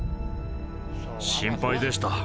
心配でした。